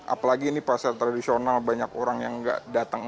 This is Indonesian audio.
apalagi ini pasar tradisional banyak orang yang nggak datang